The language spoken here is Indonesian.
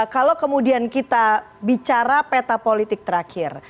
kalau kemudian kita bicara peta politik terakhir